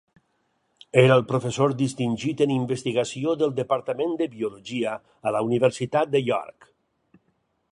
Era el professor distingit en investigació del departament de biologia a la Universitat de York.